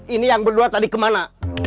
ini yang berdua tadi kemana